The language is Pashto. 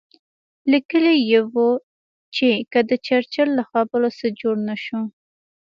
لیکلي یې وو چې که د چرچل له خبرو څه جوړ نه شو.